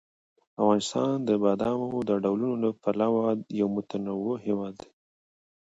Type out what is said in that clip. افغانستان د بادامو د ډولونو له پلوه یو متنوع هېواد دی.